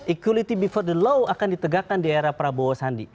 equality before the law akan ditegakkan di era prabowo sandi